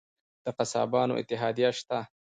د قصابانو اتحادیه شته؟